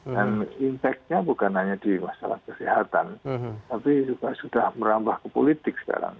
dan impactnya bukan hanya di masalah kesehatan tapi juga sudah merambah ke politik sekarang